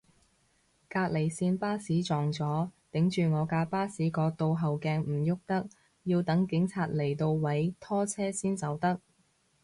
隔離線巴士撞咗，頂住我架巴士個倒後鏡唔郁得，要等警察嚟度位拖車先走得